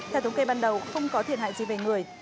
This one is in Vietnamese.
theo thống kê ban đầu không có thiệt hại gì về người